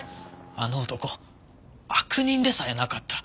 あの男悪人でさえなかった。